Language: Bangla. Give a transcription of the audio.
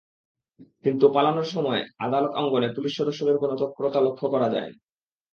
কিন্তু পালানোর সময়ে আদালত অঙ্গনে পুলিশ সদস্যদের কোনো তৎপরতা লক্ষ করা যায়নি।